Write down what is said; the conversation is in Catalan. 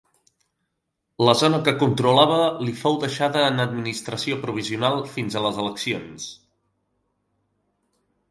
La zona que controlava li fou deixava en administració provisional fins a les eleccions.